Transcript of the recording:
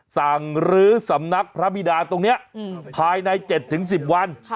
สั่งลื้อสำนักพระบิดาตรงนี้ภายใน๗๑๐วัน